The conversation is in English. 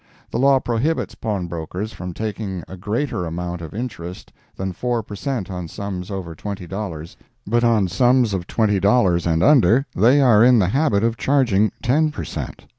The law prohibits pawnbrokers from taking a greater amount of interest than four per cent on sums over twenty dollars; but on sums of twenty dollars, and under, they are in the habit of charging ten per cent.